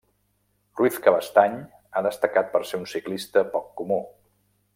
Ruiz Cabestany ha destacat per ser un ciclista poc comú.